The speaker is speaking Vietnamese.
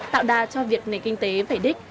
tạo đà cho việc nền kinh tế vẻ đích